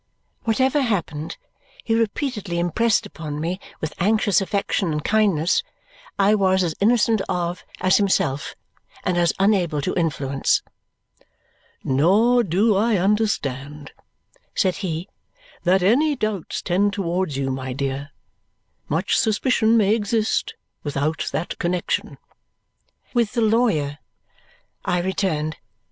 Whatever happened, he repeatedly impressed upon me with anxious affection and kindness, I was as innocent of as himself and as unable to influence. "Nor do I understand," said he, "that any doubts tend towards you, my dear. Much suspicion may exist without that connexion." "With the lawyer," I returned.